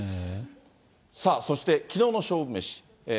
さあ、そして、きのうの勝負メシ。